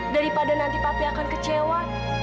daripada nanti papi akan kecewa